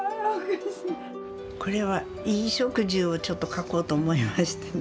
これは衣食住をちょっと書こうと思いましてね。